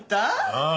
ああ。